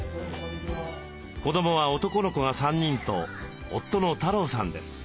子どもは男の子が３人と夫の太郎さんです。